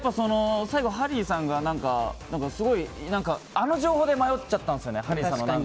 最後、ハリーさんが何か、すごいあの情報で迷ったんです。